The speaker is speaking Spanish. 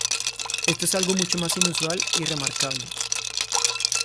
Esto es algo mucho más inusual y remarcable.